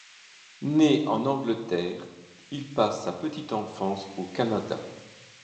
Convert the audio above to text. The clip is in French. Né en Angleterre, il passe sa petite enfance au Canada.